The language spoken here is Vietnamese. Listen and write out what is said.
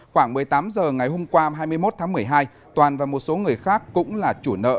khoảng một mươi tám h ngày hôm qua hai mươi một tháng một mươi hai toàn và một số người khác cũng là chủ nợ